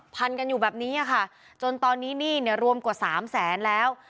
พันกันอยู่แบบนี้ค่ะจนตอนนี้รวมกว่า๓แสนแล้ว